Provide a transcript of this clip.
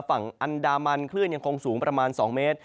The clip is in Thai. ฝั่งอันดามันคลื่นยังคงสูงประมาณ๒เมตร